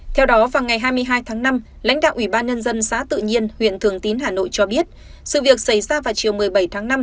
theo đó vào ngày hai mươi hai tháng năm lãnh đạo ủy ban nhân dân xã tự nhiên huyện thường tín hà nội cho biết sự việc xảy ra vào chiều một mươi bảy tháng năm